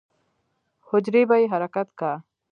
حجرې به يې حرکت کا.